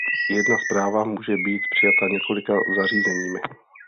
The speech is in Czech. Jedna zpráva může být přijata několika zařízeními.